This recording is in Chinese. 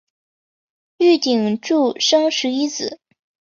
玉鼎柱生十一子。